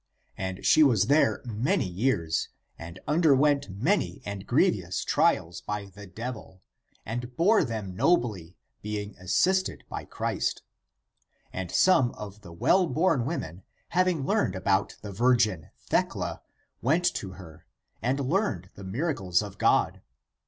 And she was there many years, and underwent many and grievous trials by the devil, and bore them nobly, being assisted by Christ. And some of the well born women, having learned about the virgin Thecla, went to her, and ACTS OF PAUL 33 learned the miracles of God.